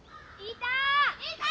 いた！